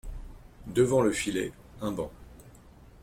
Devant le filet, un banc.